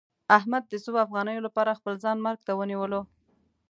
احمد د څو افغانیو لپاره خپل ځان مرګ ته ونیولو.